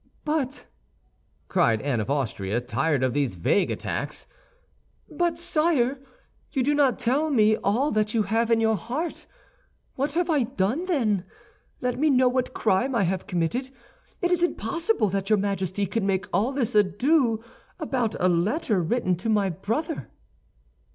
"But," cried Anne of Austria, tired of these vague attacks, "but, sire, you do not tell me all that you have in your heart. What have I done, then? Let me know what crime I have committed. It is impossible that your Majesty can make all this ado about a letter written to my brother."